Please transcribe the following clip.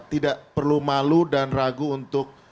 tidak perlu malu dan ragu untuk